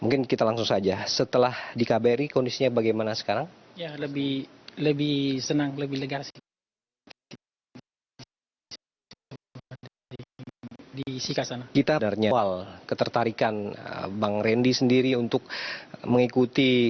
kita menarik ketertarikan bang randy sendiri untuk mengikuti